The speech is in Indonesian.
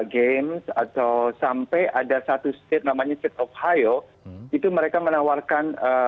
games atau sampai ada satu state namanya state of hiyo itu mereka menawarkan